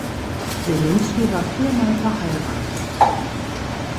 Selinski war viermal verheiratet.